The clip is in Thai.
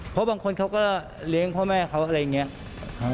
เพราะบางคนเขาก็เลี้ยงพ่อแม่เขาอะไรอย่างนี้